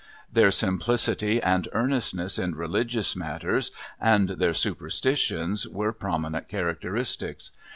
Their simplicity and earnestness in religious matters and their superstitions were prominent characteristics.